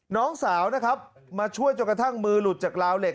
น้องสาวนะครับมาช่วยจนกระทั่งมือหลุดจากลาวเหล็